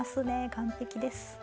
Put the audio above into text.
完璧です。